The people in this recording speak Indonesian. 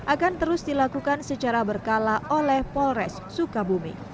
akan terus dilakukan secara berkala oleh polres sukabumi